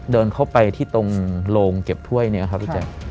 เดินเข้าไปที่ตรงโรงเก็บถ้วยนี้ครับพี่แจ๊ค